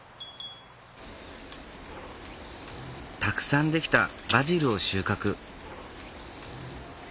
たくさん出来たバジルを収穫。